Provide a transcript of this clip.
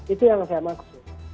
itu yang saya maksud